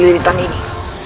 dari lintang ini